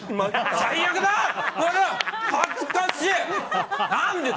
最悪だ！